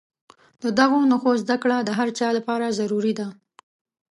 د دغو نښو زده کړه د هر چا لپاره ضروري ده.